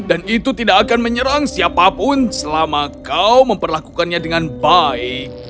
itu tidak akan menyerang siapapun selama kau memperlakukannya dengan baik